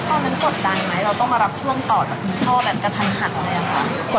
พี่โม่ตตอนนั้นกดดันไหมเราต้องมารับช่วงต่อจากท่อแบบกระทันเลยหรือเปล่า